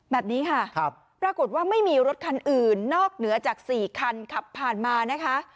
แบบนี้ค่ะปรากฏว่าไม่มีรถคันอื่นนอกเหนือจาก๔คันขับผ่านมานะคะ